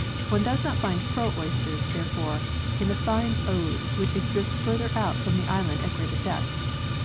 One does not find pearl oysters, therefore, on the fine ooze which exists further out from the island at greater depths.